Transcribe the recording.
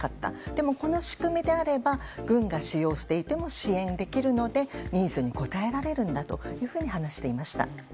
でも、この仕組みであれば軍が使用していても支援できるのでニーズに応えられるんだと話していました。